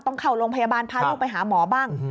ต้องเข้าโรงพยาบาลพาลูกไปหาหมอบ้าง